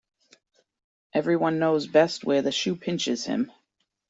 Every one knows best where the shoe pinches him